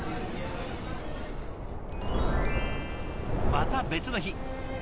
また別の日。